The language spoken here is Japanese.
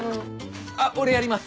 あっ俺やります！